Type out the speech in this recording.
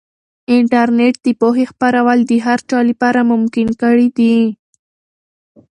انټرنیټ د پوهې خپرول د هر چا لپاره ممکن کړي دي.